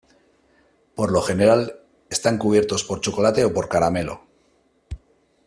Por lo general están cubiertos por chocolate o por caramelo.